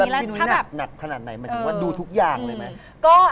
พี่นุ้ยหนักขนาดไหนหมายถึงว่าดูทุกอย่างเลยไหม